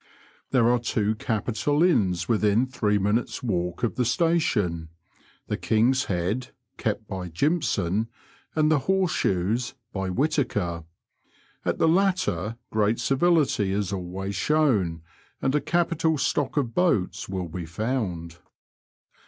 There are two capital inns within three minutes' walk of the Station — the King's Head, kept by Jimpson, and the Horse Shoes, by Whittaker; at the latter great civility is always shown, and a capital stock of boats will be found.